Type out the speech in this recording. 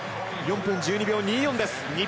４分１２秒２４です。